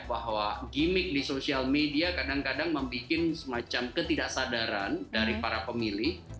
bahwa gimmick di social media kadang kadang membuat semacam ketidaksadaran dari para pemilih